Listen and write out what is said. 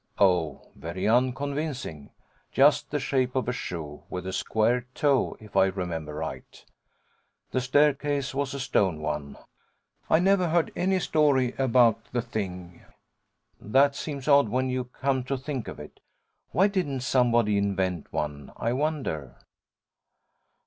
Oh, very unconvincing. Just the shape of a shoe, with a square toe, if I remember right. The staircase was a stone one. I never heard any story about the thing. That seems odd, when you come to think of it. Why didn't somebody invent one, I wonder?'